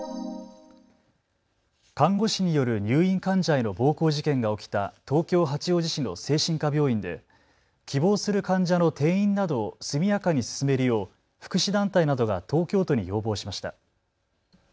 看護師による入院患者への暴行事件が起きた東京八王子市の精神科病院で希望する患者の転院などを速やかに進めるよう福祉団体などが東京都に要望しました。